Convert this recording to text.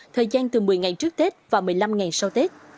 thời gian từ một mươi ngày trước tết và một mươi năm ngày sau tết